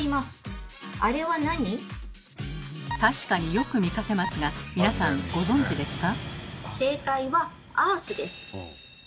確かによく見かけますが皆さんご存じですか？